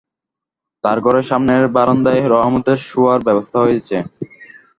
তার ঘরের সামনের বারান্দায় রহমতের শোয়ার ব্যবস্থা হয়েছে।